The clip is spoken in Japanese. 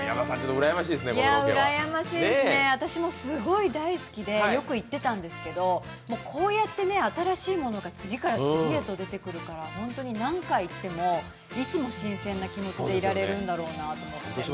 うらやましいですね、私もすごい大好きでよく行ってたんですけどこうやって、新しいものが次から次へと出てくるから本当に何回行ってもいつも新鮮な気持ちでいられるんだろうなと思って。